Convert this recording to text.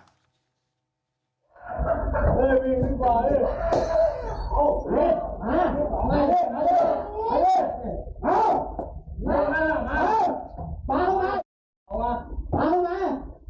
เอามาเอามา